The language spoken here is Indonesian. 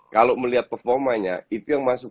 kalau melihat performanya itu yang masuk